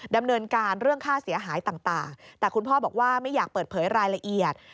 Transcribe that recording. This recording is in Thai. ดำเนินการเรื่องค่าเสียหายต่างแต่คุณพ่อบอกว่าไม่อยากเปิดเผยรายละเอียด